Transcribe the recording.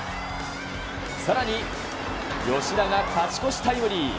さらに吉田が勝ち越しタイムリー。